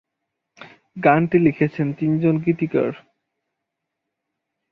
গানটি লিখেছেন তিনজন গীতিকার।